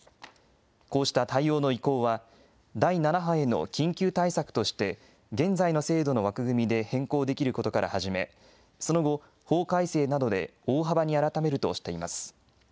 こうした対応の移行は、第７波への緊急対策として、現在の制度の枠組みで変更できることから始め、その後、法改正などで大幅に改めるとしています。